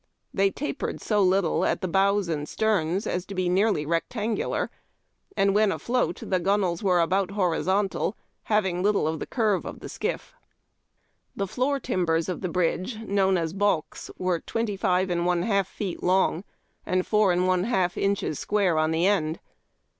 They tapered so little at the bows and sterns as to be nearly rectangular, and when afloat the gunwales were about horizontal, having little of the curve of the skiff. The floor timbers of the bridge, known as Balks, were twenty five and one half feet long, and four and one half AB3IY BOAT) ANT) BRIDGE BUILDEBS. 385 inches square on the end.